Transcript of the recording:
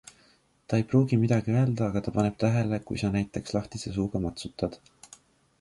Ta ei pruugi midagi öelda, aga ta paneb tähele, kui sa näiteks lahtise suuga matsutad.